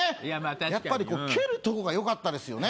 確かにやっぱり蹴るとこがよかったですよね